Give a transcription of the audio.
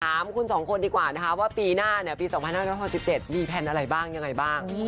ถามคุณสองคนดีกว่านะคะว่าปีหน้าปี๒๕๖๗มีแพลนอะไรบ้างยังไงบ้าง